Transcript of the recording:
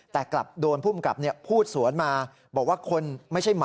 แต่กลับโดนผู้อำกับเนี่ยพูดสวนมาบอกว่าคนไม่ใช่หมา